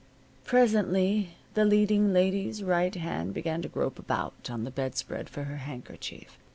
Presently the leading lady's right hand began to grope about on the bedspread for her handkerchief.